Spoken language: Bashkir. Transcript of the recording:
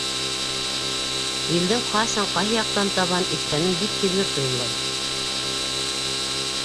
Елдең ҡасан, ҡайһы яҡҡа табан иҫкәнен бик һиҙгер тойомлай.